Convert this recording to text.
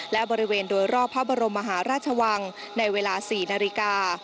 และบริเวณโดยรอบพระบรมมหาราชวังในเวลา๔นาฬิกา